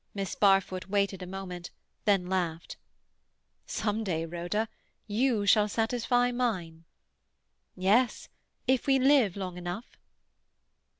Miss Barfoot waited a moment, then laughed. "Some day, Rhoda, you shall satisfy mine." "Yes—if we live long enough."